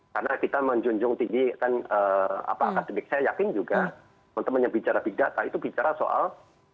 karena kita menjunjung tinggi akademik saya yakin juga teman teman yang bicara big data itu bicara soal